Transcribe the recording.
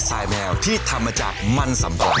สายแมวที่ทำมาจากมันสำปะ